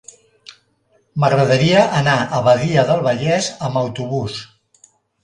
M'agradaria anar a Badia del Vallès amb autobús.